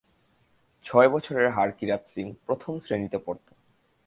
ছয় বছরের হারকিরাত সিং প্রথম শ্রেণিতে পড়ত।